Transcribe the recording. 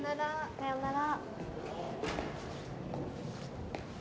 さようなら。